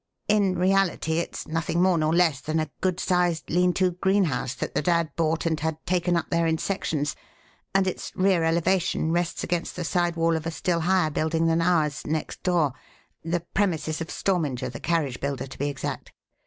In reality, it's nothing more nor less than a good sized 'lean to' greenhouse that the dad bought and had taken up there in sections, and its rear elevation rests against the side wall of a still higher building than ours, next door the premises of Storminger the carriage builder, to be exact.